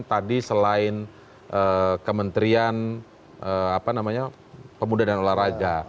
tadi selain kementerian pemuda dan olahraga